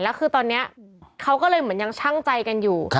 แล้วคือตอนนี้เขาก็เลยเหมือนยังช่างใจกันอยู่